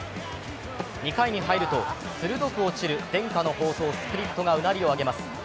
２回に入ると鋭く落ちる伝家の宝刀スプリットがうなりを上げます。